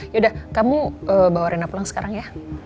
yaudah kamu bawa rena pulang sekarang ya